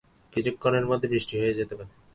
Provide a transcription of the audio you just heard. কিছুক্ষণের মধ্যে বৃষ্টি শুরু হয়ে যেতে পারে।